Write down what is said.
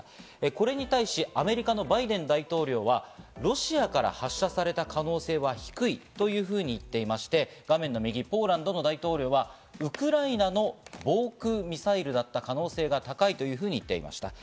これに対しアメリカのバイデン大統領はロシアから発射された可能性は低いというふうに言っていまして、ポーランドの大統領はウクライナの防空ミサイルだった可能性が高いというふうに言っていました。